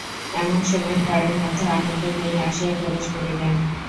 এমন সময় ঘরের মধ্যে আনন্দময়ী আসিয়া প্রবেশ করিলেন।